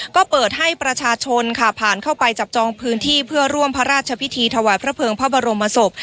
ก็เปิดให้ประชาชนค่ะผ่านเข้าไปจับจองพื้นที่เพื่อร่วมพระราชพิธีถวายพระเภิงพระบรมศพ